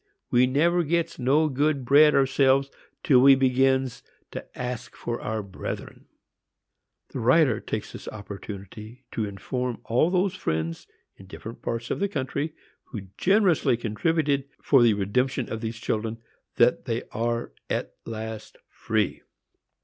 we never gets no good bread ourselves till we begins to ask for our brethren." The writer takes this opportunity to inform all those friends, in different parts of the country, who generously contributed for the redemption of these children, that they are at last free!